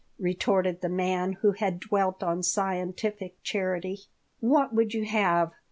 retorted the man who had dwelt on scientific charity "What would you have?